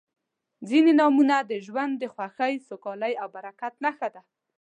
•ځینې نومونه د ژوند د خوښۍ، سوکالۍ او برکت نښه ده.